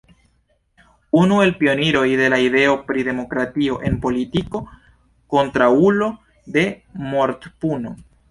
Unu el pioniroj de la ideo pri demokratio en politiko, kontraŭulo de mortpuno.